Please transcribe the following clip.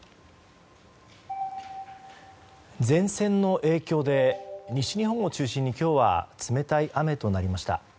前線の影響で西日本を中心に冷たい雨となりました。